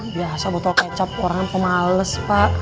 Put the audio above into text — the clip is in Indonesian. biasa botol kecap orang pemales pak